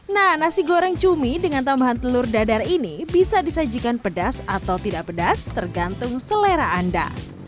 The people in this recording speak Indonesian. nah nasi goreng cumi dengan tambahan telur dadar ini bisa disajikan pedas atau tidak pedas tergantung selera anda